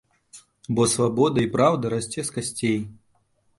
Бо свабода і праўда расце з касцей.